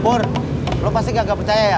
bur lo pasti gak percaya ya